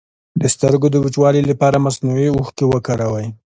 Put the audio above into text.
د سترګو د وچوالي لپاره مصنوعي اوښکې وکاروئ